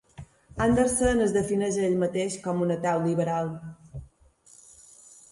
Andersen es defineix a ell mateix com un "ateu liberal".